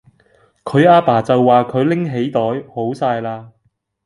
佢阿爸就話佢拎起袋好哂喇